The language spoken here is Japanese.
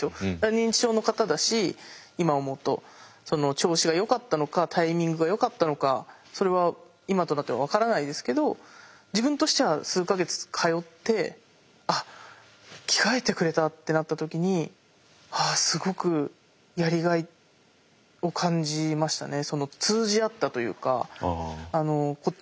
認知症の方だし今思うと調子がよかったのかタイミングがよかったのかそれは今となっては分からないですけど自分としては数か月通って「あっ着替えてくれた」ってなった時にああすごくやりがいを感じましたね。